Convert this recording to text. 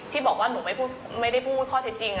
ที่บอกว่าหนูไม่ได้พูดข้อเท็จจริง